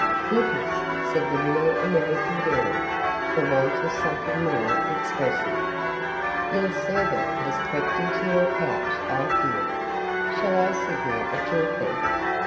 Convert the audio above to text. "Goodness!" said the real American girl, for want of something more expressive. "Your servant has crept into your couch, I fear. Shall I sit here at your feet?